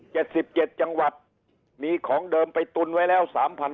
๗๗จังหวัดมีของเดิมไปตุนไว้แล้ว๓๖๐๐